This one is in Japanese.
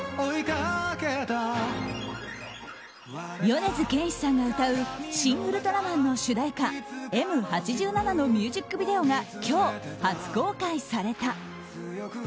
米津玄師さんが歌う「シン・ウルトラマン」の主題歌「Ｍ八七」のミュージックビデオが今日、初公開された。